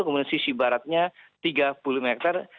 kemudian sisi baratnya tiga puluh meter